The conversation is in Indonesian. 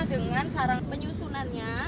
dengan cara penyusunannya